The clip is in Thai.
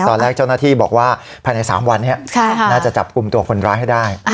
ตอนแรกเจ้าหน้าที่บอกว่าภายใน๓วันนี้น่าจะจับกลุ่มตัวคนร้ายให้ได้